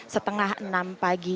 setengah enam pagi